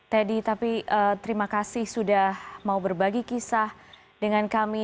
teddy tapi terima kasih sudah mau berbagi kisah dengan kami